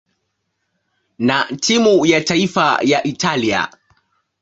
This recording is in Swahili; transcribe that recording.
na timu ya taifa ya Italia.